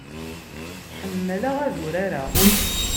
Ḥemmleɣ ad urareɣ.